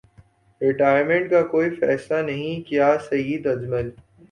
retire minute کا کوئی فیصلہ نہیں کیاسعید اجمل